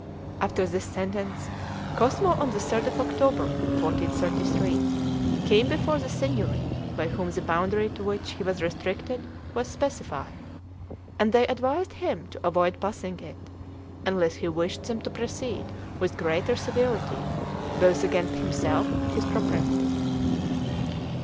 After his sentence, Cosmo on the third of October, 1433, came before the Signory, by whom the boundary to which he was restricted was specified; and they advised him to avoid passing it, unless he wished them to proceed with greater severity both against himself and his property.